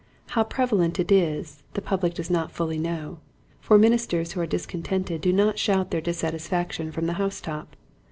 How prevalent it is the public does not fully know, for ministers who are discontented do not shout their dissatisfaction from the house top.